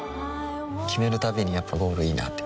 決めるたびにやっぱゴールいいなってふん